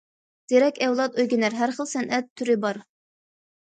زېرەك ئەۋلاد ئۆگىنەر، ھەر خىل سەنئەت تۈرى بار.